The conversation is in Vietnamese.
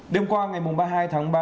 đêm qua ngày mùng ba mươi hai tháng ba